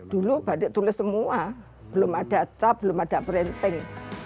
dulu batik tulis semua belum ada cap belum ada printing